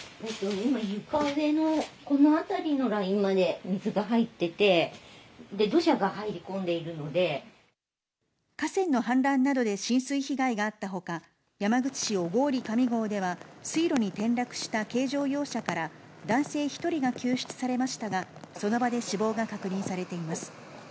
今、床上のこの辺りのラインまで水が入ってて、で、土砂が入り込んで河川の氾濫などで浸水被害があったほか、山口市小郡上郷では水路に転落した軽乗用車から、男性１人が救出されましたが、その場で死亡が確認されています。